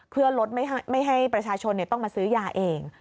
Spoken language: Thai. เพื่อลดไม่ให้ประชาชนต้องมาซื้อยาเอง